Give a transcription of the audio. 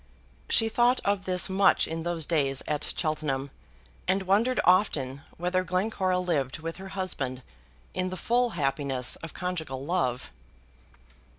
She thought of this much in those days at Cheltenham, and wondered often whether Glencora lived with her husband in the full happiness of conjugal love.